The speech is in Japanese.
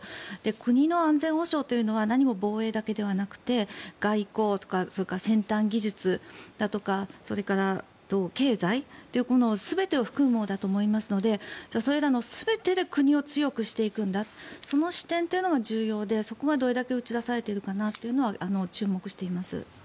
国の安全保障というのは何も防衛だけではなくて外交、先端技術だとかそれから経済という全てを含むと思いますのでそれらの全てで国を強くしていくその視点が重要でそこがどれだけ打ち出されているかは注目しています。